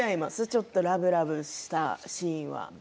ちょっとラブラブしたシーンは。